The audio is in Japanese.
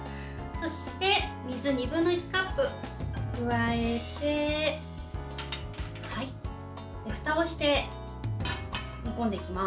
そして、水２分の１カップ加えてふたをして煮込んでいきます。